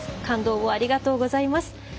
感動を、ありがとうございます。